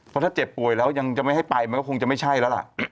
เพราะถ้าเจ็บป่วยแล้วยังจะไม่ให้ไปมันก็คงจะไม่ใช่แล้วล่ะ